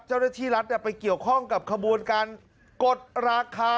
เจ้าหน้าที่รัฐไปเกี่ยวข้องกับขบวนการกดราคา